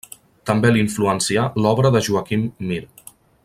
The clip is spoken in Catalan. També l'influencià l'obra de Joaquim Mir.